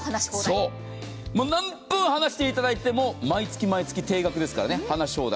何分話していただいても、毎月毎月定額ですから、話し放題。